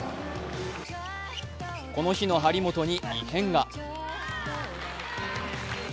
この日の張本に異変が。